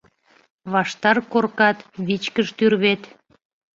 Ваштар коркат, вичкыж тӱрвет